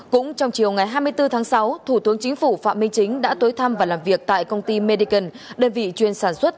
cũng trong chiều ngày hai mươi bốn tháng sáu thủ tướng chính phủ phạm minh chính đã tới thăm và làm việc tại công ty medican đơn vị chuyên sản xuất